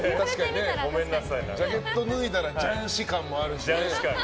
ジャケット脱いだら雀士感もあるしね。